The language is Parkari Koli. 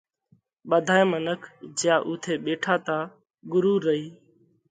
ٻڌائِي منک جيا اُوٿئہ ٻيٺا تا ڳرُو رئي